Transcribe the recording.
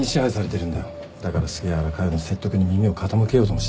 だから杉原佳代の説得に耳を傾けようともしない。